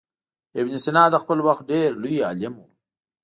ابن سینا د خپل وخت ډېر لوی عالم و.